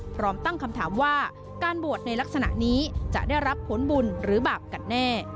พร้อมตั้งคำถามว่าการบวชในลักษณะนี้จะได้รับผลบุญหรือบาปกัดแน่